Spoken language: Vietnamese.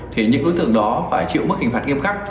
thì những đối tượng đó phải chịu mức hình phạt nghiêm khắc